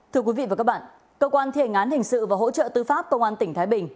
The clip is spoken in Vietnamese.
thưa quý vị và các bạn cơ quan thi hành án hình sự và hỗ trợ tư pháp công an tỉnh thái bình